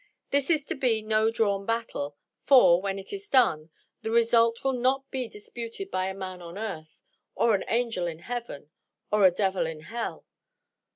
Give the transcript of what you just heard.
This is to be no drawn battle; for, when it is done, the result will not be disputed by a man on earth, or an angel in heaven, or a devil in hell.